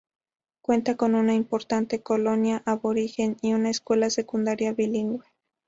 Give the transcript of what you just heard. Cuenta con una importante colonia aborigen, y una escuela secundaria bilingüe.